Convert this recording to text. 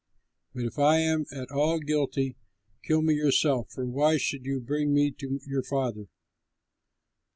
But if I am at all guilty, kill me yourself, for why should you bring me to your father?"